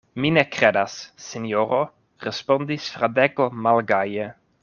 Mi ne kredas, sinjoro, respondis Fradeko malgaje.